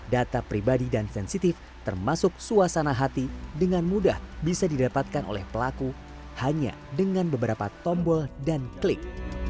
data pribadi dan sensitif termasuk suasana hati dengan mudah bisa didapatkan oleh pelaku hanya dengan beberapa tombol dan klik